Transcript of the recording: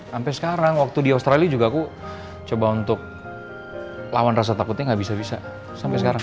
sampai sekarang waktu di australia juga aku coba untuk lawan rasa takutnya gak bisa bisa sampai sekarang